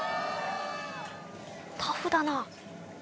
タフだな！